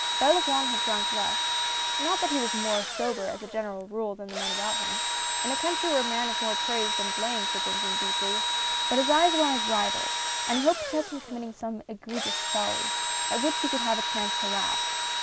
Belavoine had drank less; not that he was more sober as a general rule than the men about him — in a country where a man is more praised than blamed for drinking deeply — but his eyes were on his rival, and he hoped to catch him committing some egre gious folly, at which he could have a chance to laugh.